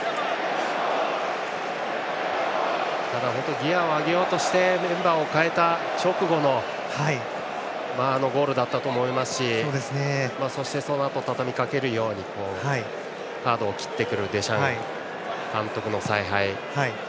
ただギヤを上げようとしてメンバーを代えた直後のゴールだったと思いますしそして、そのあとたたみかけるようにカードを切ってくるデシャン監督の采配。